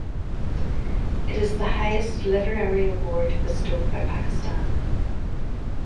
It is the highest literary award bestowed by Pakistan.